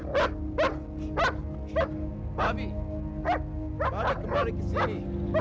baji balik ke marai kesini